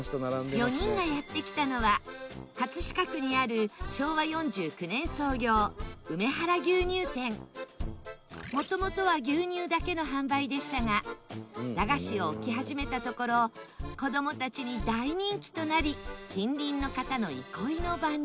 ４人がやって来たのは飾区にある元々は牛乳だけの販売でしたが駄菓子を置き始めたところ子供たちに大人気となり近隣の方の憩いの場に。